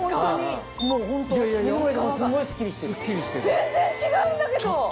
全然違うんだけど！